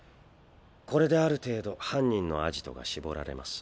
これである程度犯人のアジトが絞られます。